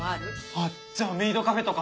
あっじゃあメイドカフェとか？